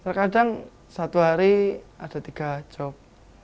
terkadang satu hari ada tiga job